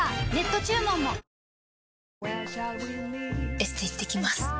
エステ行ってきます。